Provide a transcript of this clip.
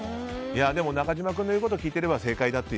中島君の言うことを聞いていれば正解だと。